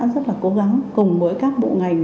rất là cố gắng cùng với các bộ ngành